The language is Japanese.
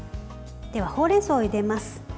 では、ほうれんそうをゆでます。